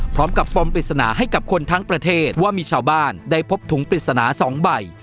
ปมปริศนาให้กับคนทั้งประเทศว่ามีชาวบ้านได้พบถุงปริศนา๒ใบ